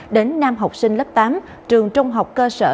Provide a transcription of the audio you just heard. đến nam học sinh lớp tám trường trung học cơ sở